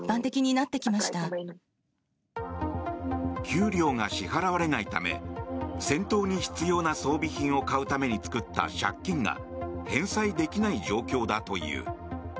給料が支払われないため戦闘に必要な装備品を買うために作った借金が返済できない状況だという。